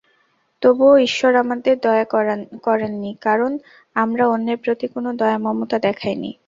তবুও ঈশ্বর আমাদের দয়া করেননি, কারণ আমরা অন্যের প্রতি কোন দয়া-মমতা দেখাইনি।